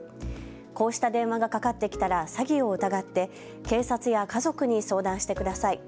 こうした電話がかかってきたら詐欺を疑って警察や家族に相談してください。